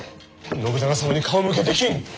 信長様に顔向けできん！